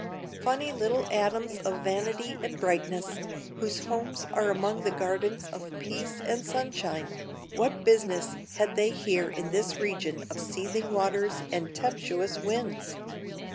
Funny little atoms of vanity and brightness, whose homes are among the gardens of peace and sunshine, what business had they here in this region of seething waters and tempestuous winds?